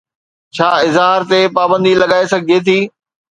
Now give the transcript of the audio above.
ڇا اظهار تي پابندي لڳائي سگهجي ٿي؟